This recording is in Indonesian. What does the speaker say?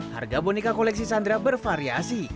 harga boneka koleksi sandra bervariasi